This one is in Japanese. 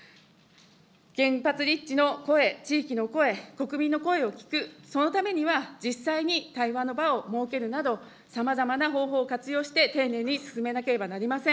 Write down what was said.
原発立地の声、地域の声、国民の声を聞く、そのためには、実際に対話の場を設けるなど、さまざまな方法を活用して、丁寧に進めなければなりません。